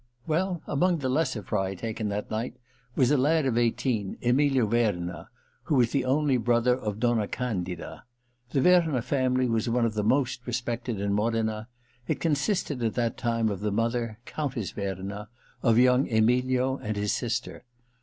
Well, among the lesser fry taken that night was a lad of eighteen, Emilio Verna, who was the only brother of Donna Candida. The Verna family was one of the most respected in Modena. It consisted, at that time, of the mother. Countess Verna, of young Emilio and his sister.